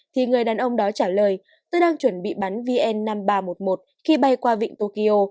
thì người đàn ông đó trả lời tôi đang chuẩn bị bắn vn năm nghìn ba trăm một mươi một khi bay qua vịnh tokyo